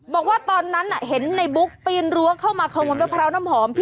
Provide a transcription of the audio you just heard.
บอกว่าตอนนั้นเห็นในบุ๊กปีนรั้วเข้ามาขโมยมะพร้าวน้ำหอม